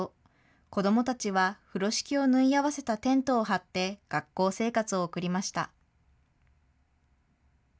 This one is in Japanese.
子どもたちは風呂敷を縫い合わせたテントを張って学校生活を送りました。